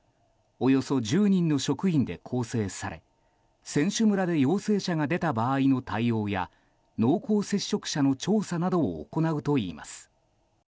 およそ１０人の職員で構成され選手村で陽性者が出た場合の対応や濃厚接触者の調査などを行うといいます。